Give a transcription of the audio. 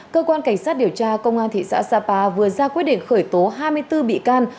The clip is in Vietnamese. cơ quan cảnh sát điều tra công an thị xã sapa vừa ra quyết định khởi tố hai mươi bốn bị can